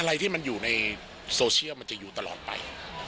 อะไรที่มันอยู่ในโซเชียลมันจะอยู่ตลอดไป